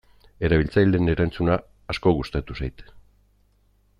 Erabiltzaileen erantzuna asko gustatu zait.